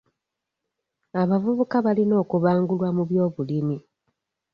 Abavubuka balina okubangulwa mu by'obulimi.